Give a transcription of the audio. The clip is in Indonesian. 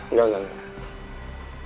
enggak enggak enggak